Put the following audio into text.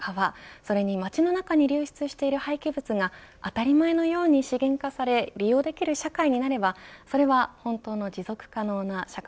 それに街の中に流出している廃棄物が当たり前のように資源化され利用できる社会になればそれは本当の持続可能な社会